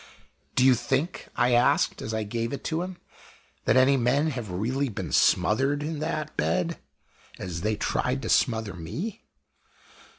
"Do you think," I asked, as I gave it to him, "that any men have really been smothered in that bed, as they tried to smother _me?